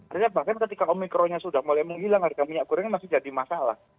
artinya bahkan ketika omikronnya sudah mulai menghilang harga minyak gorengnya masih jadi masalah